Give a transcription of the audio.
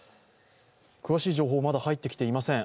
詳しい情報はまだ入ってきていません。